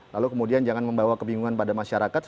lalu kemudian jangan membawa kebingungan pada masyarakat